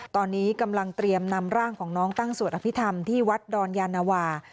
ตอนนี้กำลังเตรียมนำร่างของน้องตั้งสวดอภิษฐรรมที่วัดดอนยานวา